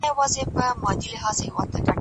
هغې خپل حالت خپل مېړه ته تشریح کړ.